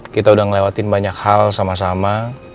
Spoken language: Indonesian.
kita udah ngelewatin banyak hal sama sama